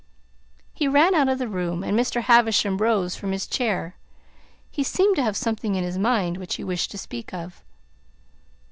He ran out of the room, and Mr. Havisham rose from his chair. He seemed to have something in his mind which he wished to speak of.